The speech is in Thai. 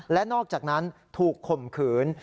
และนอกจากนั้นถูกข่มขืน